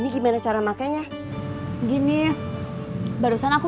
gimana cara makannya gini barusan aku